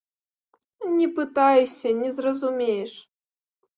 Не пытайся, не зразумееш.